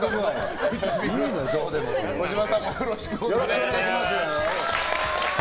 児嶋さんもよろしくお願いします。